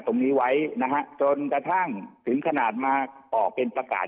ตรงนี้ไว้นะฮะจนกระทั่งถึงขนาดมาออกเป็นประกาศ